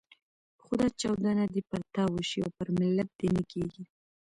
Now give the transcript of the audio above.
خو دا چاودنه دې پر تا وشي او پر ملت دې نه کېږي.